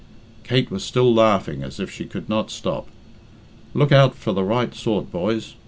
Kate was still laughing as if she could not stop. "Look out for the right sort, boys.